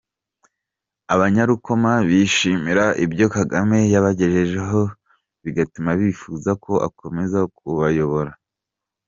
Abanyarukoma bishimira ibyo Kagame yabagejejeho bigatuma bifuza ko akomeza kubayobora.